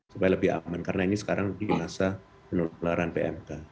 supaya lebih aman karena ini sekarang di masa penularan pmk